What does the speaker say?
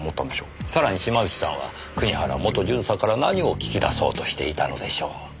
さらに島内さんは国原元巡査から何を聞き出そうとしていたのでしょう？